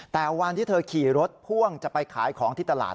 แต่วันที่เธอขี่รถพ่วงจะไปขายของที่ตลาด